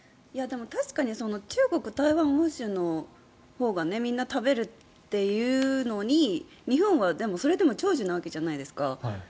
確かに中国、台湾、欧州のほうがみんな食べるっていうのに日本はそれでも長寿なわけじゃないですか。